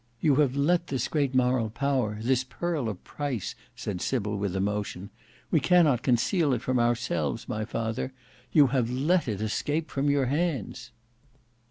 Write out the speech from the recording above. You have let this great moral power, this pearl of price," said Sybil with emotion,—"we cannot conceal it from ourselves, my father,—you have let it escape from your hands."